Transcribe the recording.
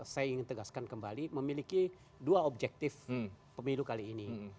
saya ingin tegaskan kembali memiliki dua objektif pemilu kali ini